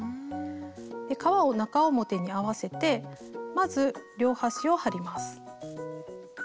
で革を中表に合わせてまず両端を貼ります。